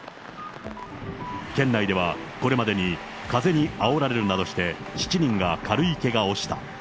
県内ではこれまでに風にあおられるなどして、７人が軽いけがをした。